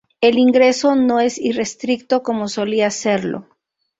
El ingreso no es irrestricto como solía serlo.